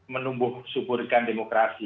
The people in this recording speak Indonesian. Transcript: menumbuh suburkan demokrasi